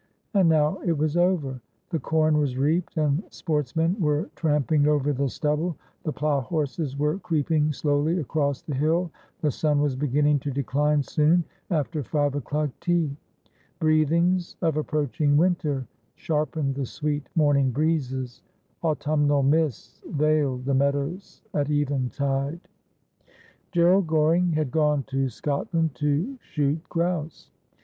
And now it was over ; the corn was reaped, and sportsmen were tramping over the stubble ; the plough horses were creeping slowly across the hill ; the sun was beginning to decline soon after five o'clock tea ; breathings of approaching winter sharpened the sweet morning breezes ; autumnal mists veiled the meadows at eventide. Gerald Goring had gone to Scotland to shoot grouse.